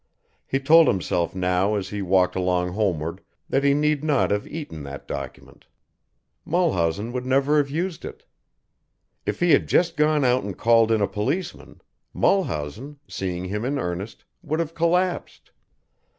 He told himself now as he walked along homeward that he need not have eaten that document. Mulhausen would never have used it. If he had just gone out and called in a policeman, Mulhausen, seeing him in earnest, would have collapsed.